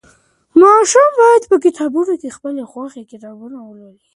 ماشومان په کتابتونونو کې د خپلې خوښې کتابونه لولي.